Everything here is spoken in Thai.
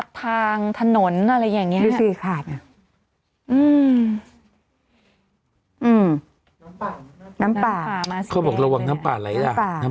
ช่วงสำพันธ์น้ำป่าไหลละ